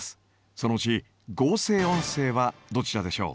そのうち合成音声はどちらでしょう？